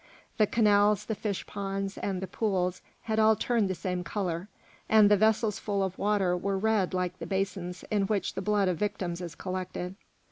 The canals, the fish ponds, and the pools had all turned the same colour, and the vessels full of water were red like the basins in which the blood of victims is collected.